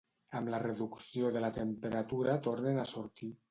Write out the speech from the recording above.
Amb la reducció de la temperatura tornen a sortir.